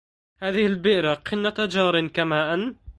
هذه البئر قنة جار كما أن